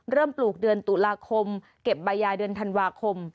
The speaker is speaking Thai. ปลูกเดือนตุลาคมเก็บใบยายเดือนธันวาคม